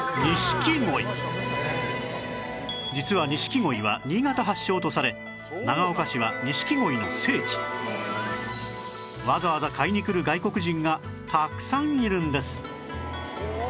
実は錦鯉は新潟発祥とされ長岡市は錦鯉の聖地わざわざ買いに来る外国人がたくさんいるんです